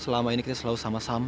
selama ini kita selalu sama sama